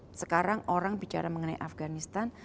jadi kalau sekarang orang bicara mengenai afganistan